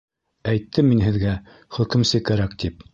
— Әйттем мин һеҙгә, хөкөмсө кәрәк, тип.